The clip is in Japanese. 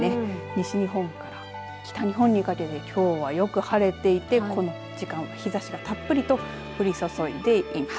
西日本から北日本にかけてきょうはよく晴れていてこの時間、日ざしがたっぷりと降り注いでいます。